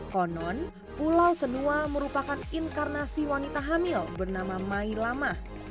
konon pulau senua merupakan inkarnasi wanita hamil bernama mai lama